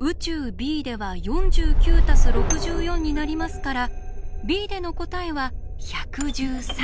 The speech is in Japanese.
宇宙Ｂでは４９＋６４になりますからＢでの答えは１１３。